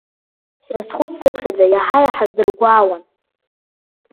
Срызхәыццыԥхьаӡа иаҳа-иаҳа сдыргәаауан.